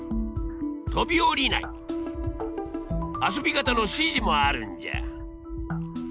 遊び方の指示もあるんじゃ。